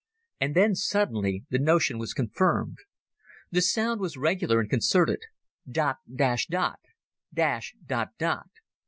And then suddenly the notion was confirmed. The sound was regular and concerted—dot, dash, dot—dash, dot, dot.